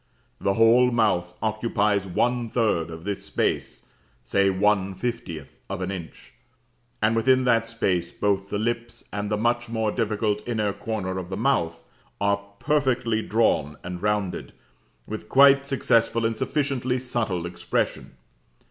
The whole mouth occupies one third of this space, say one fiftieth of an inch, and within that space both the lips and the much more difficult inner corner of the mouth are perfectly drawn and rounded, with quite successful and sufficiently subtle expression.